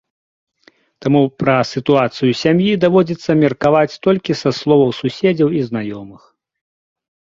Таму пра сітуацыю ў сям'і даводзіцца меркаваць толькі са словаў суседзяў і знаёмых.